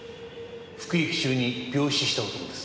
服役中に病死した男です。